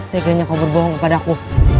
teganya kau berbohong kepada aku